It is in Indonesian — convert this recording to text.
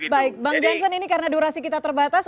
baik bang jansen ini karena durasi kita terbatas